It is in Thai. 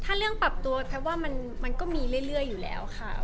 ถ้าเรื่องปรับตัวแพทย์ว่ามันก็มีเรื่อยอยู่แล้วค่ะ